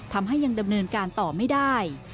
ทำให้ยังดำเนินการต่อไม่ได้